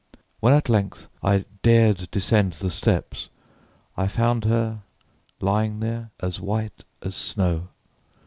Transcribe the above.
When at length I dared descend the steps, I found her lying there as white as snow.